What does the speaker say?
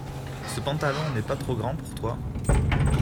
Ce pantalon n’est pas trop grand pour toi ?